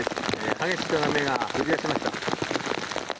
激しく雨が降り出しました。